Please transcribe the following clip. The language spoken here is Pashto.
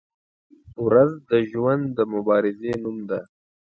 • ورځ د ژوند د مبارزې نوم دی.